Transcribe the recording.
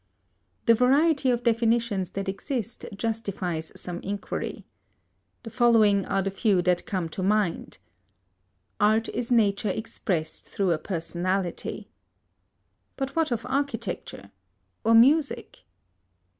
The variety of definitions that exist justifies some inquiry. The following are a few that come to mind: "Art is nature expressed through a personality." But what of architecture? Or music?